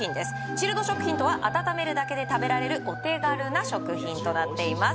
チルド食品とは温めるだけで食べられるお手軽な食品となっています